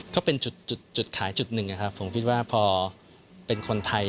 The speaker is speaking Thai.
ก็เป็นจุดขายจุดหนึ่งนะครับผมคิดว่าพอเป็นคนไทย